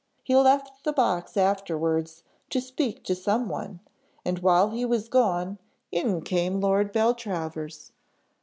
He left the box afterwards to speak to some one, and while he was gone in came Lord Beltravers.